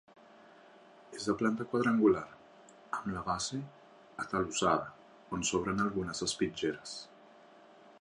És de planta quadrangular, amb la base atalussada, on s'obren algunes espitlleres.